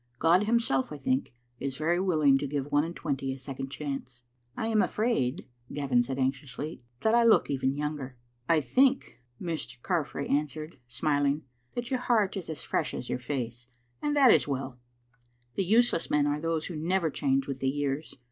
God Himself, I think, is very willing to give one and twenty a second chance. " "I am afraid," Gavin said anxiously, "that I look even younger. "" I think," Mr. Carfrae answered, smiling, "that your heart is as fresh as your face ; and that is well. The useless men are those who never change with the years.